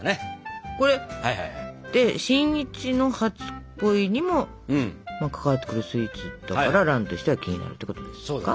これって新一の初恋にも関わってくるスイーツだから蘭としては気になるってことですか。